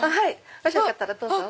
もしよかったらどうぞ。